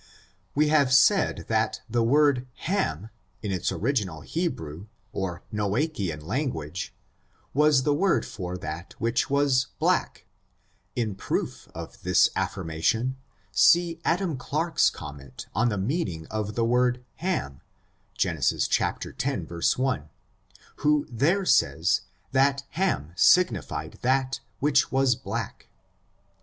We have said, that the word £&m, in the original Hebrew, or Noachian language, was the word for that which was black; in proof of this affirmation, see Adam Clark's comment on the meaning of the word Hanij Gen. x, 1, who there says, that Ham sig nified that which was black.